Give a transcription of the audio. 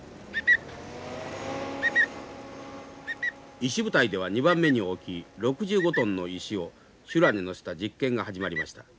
石舞台では２番目に大きい６５トンの石を修羅に載せた実験が始まりました。